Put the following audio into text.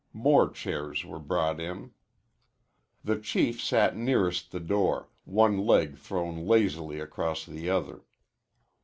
More chairs were brought in. The Chief sat nearest the door, one leg thrown lazily across the other.